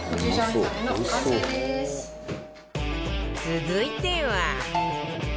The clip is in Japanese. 続いては